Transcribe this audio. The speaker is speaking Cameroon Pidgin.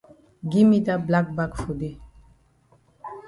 Gi me dat black bag for dey.